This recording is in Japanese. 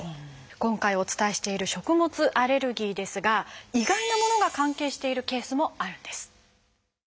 今回お伝えしている食物アレルギーですが意外なものが関係しているケースもあるんです。